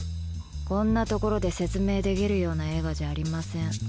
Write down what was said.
こんな所で説明できるような映画じゃありません。